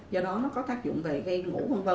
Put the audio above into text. do đó nó có tác dụng về gây ngủ